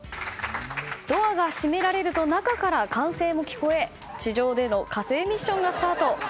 ドアが閉められると中から歓声も聞こえ地上での火星ミッションがスタート。